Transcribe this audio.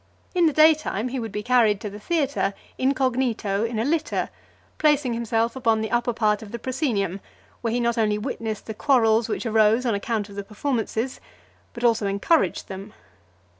In the day time he would be carried to the theatre incognito in a litter, placing himself upon the upper part of the proscenium, where he not only witnessed the quarrels which arose on account of the performances, but also encouraged them.